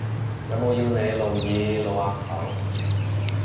有冇要你露耳露額頭？